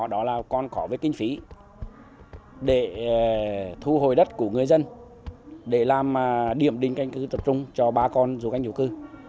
đó là còn khó với kinh phí để thu hồi đất của người dân để làm điểm đỉnh canh tập trung cho ba con du canh du cư